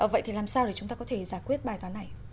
vậy thì làm sao để chúng ta có thể giải quyết bài toán này